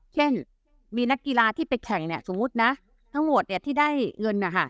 เช่นมีนักกีฬาที่ไปแข่งเนี่ยสมมุตินะทั้งหมดที่ได้เงิน